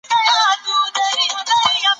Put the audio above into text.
که ښوونکی وضاحت زیات کړي، ستونزه نه پېچلې کېږي.